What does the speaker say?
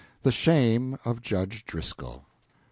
The Shame of Judge Driscoll.